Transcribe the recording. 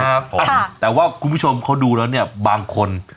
ครับผมแต่ว่าคุณผู้ชมเขาดูแล้วเนี่ยบางคน